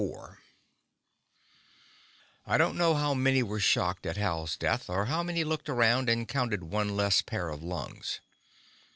IV I don't know how many were shocked at Hal's death, or how many looked around and counted one less pair of lungs.